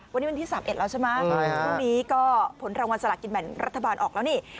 วันนี้วันที่๓๑แล้วใช่ไหมพรุ่งนี้ก็ผลรางวัลสละกินแบ่งรัฐบาลออกแล้วนี่